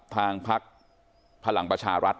ทางพักพลังประชารัฐ